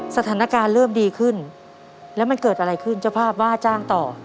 สถานการณ์เริ่มดีขึ้นแล้วมันเกิดอะไรขึ้นเจ้าภาพว่าจ้างต่อ